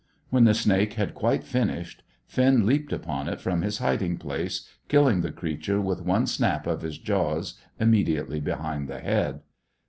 When the snake had quite finished, Finn leaped upon it from his hiding place, killing the creature with one snap of his jaws immediately behind the head.